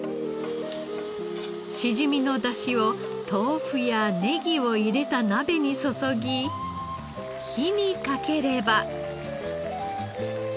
しじみの出汁を豆腐やネギを入れた鍋に注ぎ火にかければ。